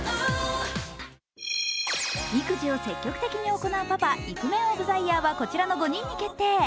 育児を積極的に行うパパ、イクメンオブザイヤーはこちらの５人に決定。